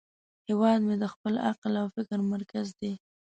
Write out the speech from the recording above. هیواد مې د خپل عقل او فکر مرکز دی